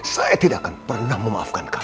saya tidak akan pernah memaafkan kami